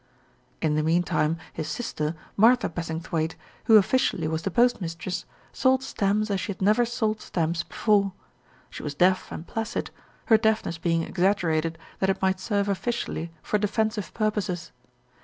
In the meantime, his sister, Martha Bassing thwaighte, who officially was the post mistress, sold stamps as she had never sold stamps before. She was deaf and placid, her deafness being exaggerated that it might serve officially for defensive purposes.